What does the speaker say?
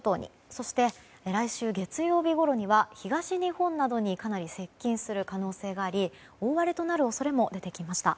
そして来週月曜日ごろには東日本などにかなり接近する可能性があり大荒れとなる恐れも出てきました。